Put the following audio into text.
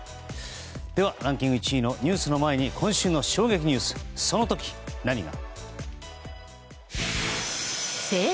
では、ランキング１位のニュースの前に今週の衝撃ニュースその時、何が。